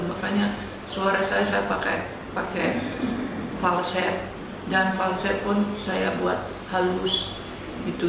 makanya suara saya saya pakai pakai falset dan falset pun saya buat halus gitu